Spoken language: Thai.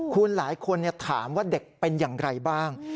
คุณหลายคนถามว่าเด็กเป็นอย่างไรบ้าง